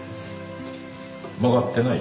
曲がってない？